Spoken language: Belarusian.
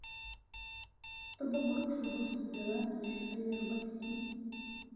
То бок грошы будуць збіраць усё тыя ж бацькі.